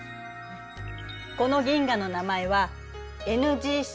この銀河の名前はＮＧＣ６２４０。